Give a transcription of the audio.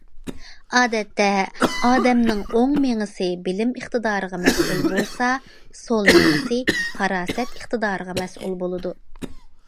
ئادەتتە ئادەمنىڭ ئوڭ مېڭىسى بىلىم ئىقتىدارىغا مەسئۇل بولسا، سول مېڭىسى پاراسەت ئىقتىدارىغا مەسئۇل بولىدۇ.